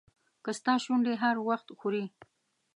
که ستا شونډې هر وخت ښوري.